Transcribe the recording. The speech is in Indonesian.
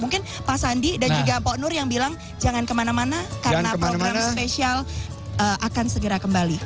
mungkin pak sandi dan juga mpok nur yang bilang jangan kemana mana karena program spesial akan segera kembali